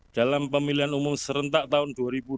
dalam pemilihan umum serentak tahun dua ribu dua puluh